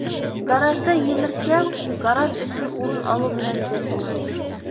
Гаражды емертмәү -гараж өсөн урын алыу менән бер.